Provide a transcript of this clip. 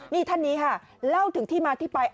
นี่ท่านนี้ค่ะเล่าถึงที่มาที่ไป